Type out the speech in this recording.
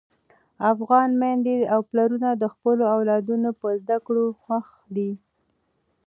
افغان میندې او پلرونه د خپلو اولادونو په زده کړو خوښ دي.